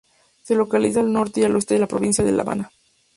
Se localiza al norte y oeste de la Provincia de La Habana.